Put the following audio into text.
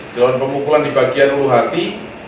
jalan pengumpulan di bagian ulu hati